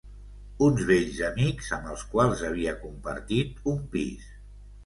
Uns vells amics amb els quals havia compartit un pis.